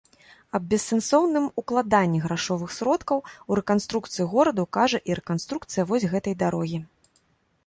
Аб бессэнсоўным укладанні грашовых сродкаў у рэканструкцыю гораду кажа і рэканструкцыя вось гэтай дарогі.